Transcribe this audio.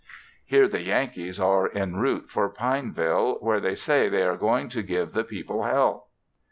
Hear the Yankees are en route for Pineville, where they say they are "going to give the people Hell."